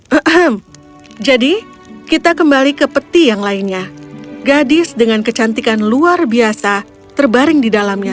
hmm jadi kita kembali ke peti yang lainnya gadis dengan kecantikan luar biasa terbaring di dalamnya